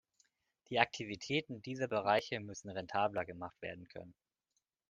Die Aktivitäten dieser Bereiche müssen rentabler gemacht werden können.